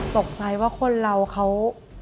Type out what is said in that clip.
ตกใจว่าคนเราเขา